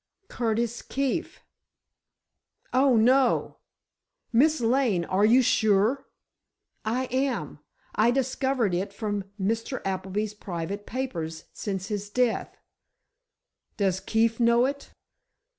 "Curtis Keefe!" "Oh, no! Miss Lane, are you sure?" "I am. I discovered it from Mr. Appleby's private papers, since his death." "Does Keefe know it?"